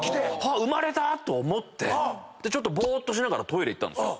生まれた！と思ってちょっとボーッとしながらトイレ行ったんですよ。